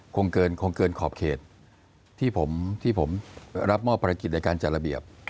คงเกินขอบเขตที่ผมรับมอบภารกิจในการจัดระเบียบ